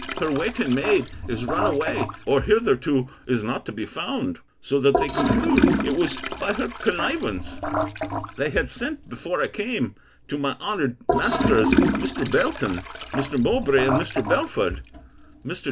Her waiting maid is run away, or hitherto is not to be found: so that they conclude it was by her connivance. They had sent, before I came, to my honoured masters Mr. Belton, Mr. Mowbray, and Mr. Belford. Mr.